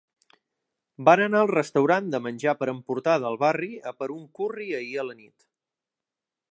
Vam anar al restaurant de menjar per emportar del barri a per un curri ahir a la nit